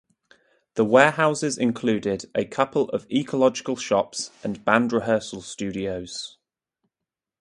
The warehouses included a couple of ecological shops and band rehearsal studios.